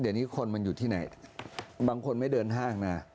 เดี๋ยวนี้คนมันอยู่ที่ไหนบางคนไม่เดินห้างนะ